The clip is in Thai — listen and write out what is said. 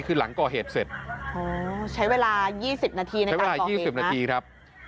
คือหลังก่อเหตุเสร็จโหใช้เวลายี่สิบนาทีใช้เวลายี่สิบนาทีครับ